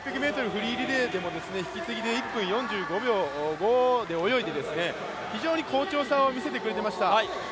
フリーリレーでも引き継ぎで１分４５秒５で泳いで、非常に好調さを見せてくれていました。